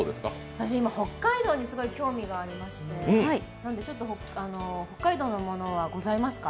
私、今、北海道にすごい興味がありまして北海道のものは、ございますか？